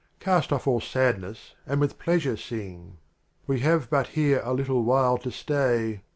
Cast off all sadness atld with pleasure sing; We have but here a little while 1o slay.